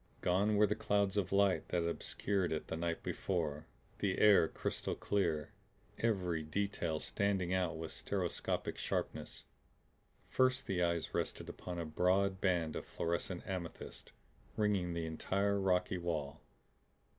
Gone were the clouds of light that had obscured it the night before; the air crystal clear; every detail standing out with stereoscopic sharpness. First the eyes rested upon a broad band of fluorescent amethyst, ringing the entire rocky wall.